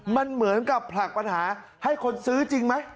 มันเหมือนกับผลักปัญหาให้คนซื้อจริงไหม